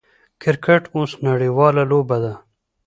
کرکټ اوس نړۍواله لوبه ده.